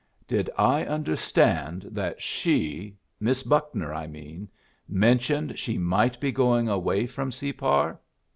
"Did I understand that she Miss Buckner, I mean mentioned she might be going away from Separ?"